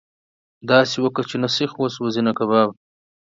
داسي وکه چې نه سيخ وسوځي نه کباب.